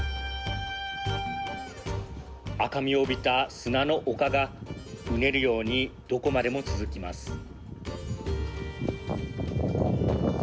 赤みを帯びた砂の丘がうねるようにどこまでも続きます。